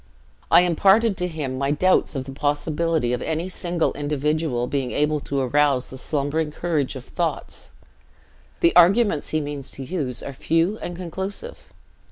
I imparted to him my doubts of the possibility of any single individual being able to arouse the slumbering courage of thoughts. The arguments he means to use are few and conclusive.